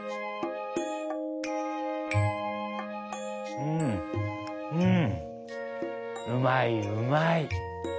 「うんうんうまいうまい」。